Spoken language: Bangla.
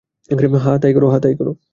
হ্যাঁ, তাই করো।